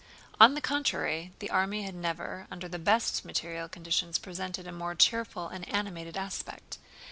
On the contrary, the army had never under the best material conditions presented a more cheerful and animated aspect.